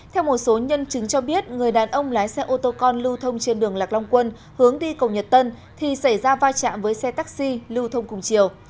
theo một số nhân chứng cho biết người đàn ông lái xe ô tô con lưu thông trên đường lạc long quân hướng đi cầu nhật tân thì xảy ra vai trạm với xe taxi lưu thông cùng chiều